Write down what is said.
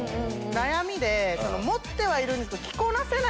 悩みで持ってはいるんですけど。